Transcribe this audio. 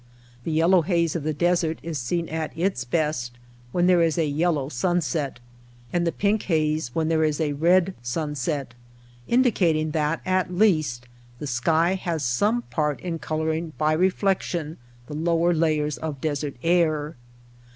The yellow haze of the desert is seen at its best when there is a yellow sunset, and the pink haze when there is a red sunset, indicating that at least the sky has some part in coloring by reflection the lower layers of desert air.